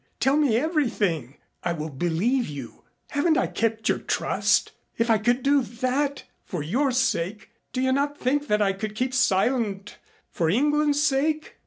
Tell me everything! I will believe you. Haven't I kept your trust? If I could do that for your sake do you not think that I could keep silent for England's sake?"